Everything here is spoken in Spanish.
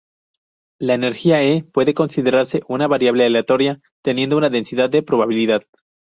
La energía "E" puede considerarse una variable aleatoria, teniendo una densidad de probabilidad.